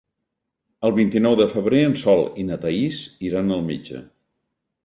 El vint-i-nou de febrer en Sol i na Thaís iran al metge.